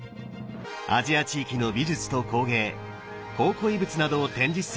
アジア地域の美術と工芸考古遺物などを展示する施設です。